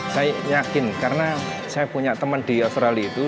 saya yakin karena saya punya teman di australia itu